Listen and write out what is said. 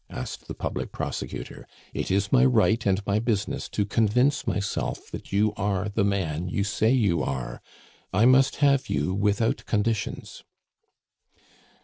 asked the public prosecutor. "It is my right and my business to convince myself that you are the man you say you are. I must have you without conditions."